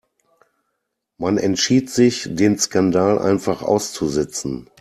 Man entschied sich, den Skandal einfach auszusitzen.